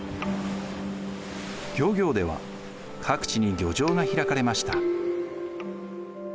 漁業では各地に漁場が開かれました。